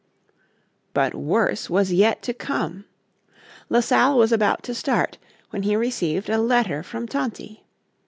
But worse was yet to come. La Salle was about to start when he received a letter from Tonty.